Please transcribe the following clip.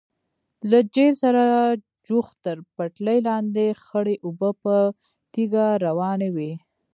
له جېپ سره جوخت تر پټلۍ لاندې خړې اوبه په تېزۍ روانې وې.